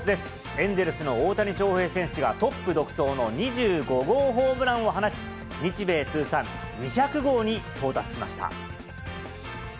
エンゼルスの大谷翔平選手がトップ独走の２５号ホームランを放ち、日米通算２００号に到達しました。